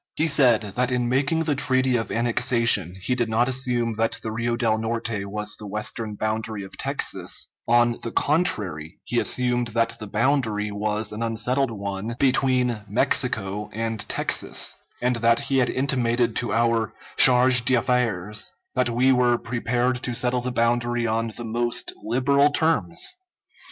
He said that in making the treaty of annexation he did not assume that the Rio del Norte was the western boundary of Texas; on the contrary, he assumed that the boundary was an unsettled one between Mexico and Texas; and that he had intimated to our charge d'affaires that we were prepared to settle the boundary on the most liberal terms!